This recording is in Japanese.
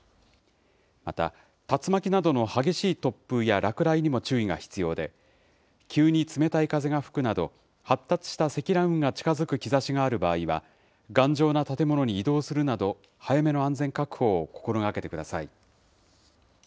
また、竜巻などの激しい突風や落雷にも注意が必要で、急に冷たい風が吹くなど、発達した積乱雲が近づく兆しがある場合は、頑丈な建物に移動するなど、早めの安全確保を心がけてください。